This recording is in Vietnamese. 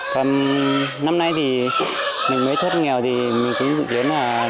còn năm nay thì mình mới thoát nghèo thì mình cũng dự kiến là